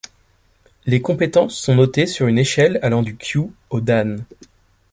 Les compétences sont notées sur une échelle allant du kyu au dan.